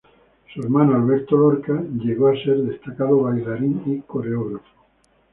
Su hermano Alberto Lorca llegó a ser un destacado bailarín y coreógrafo.